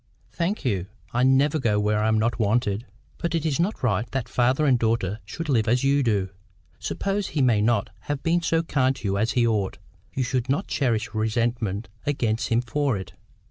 "Thank you. I never go where I am not wanted." "But it is not right that father and daughter should live as you do. Suppose he may not have been so kind to you as he ought, you should not cherish resentment against him for it.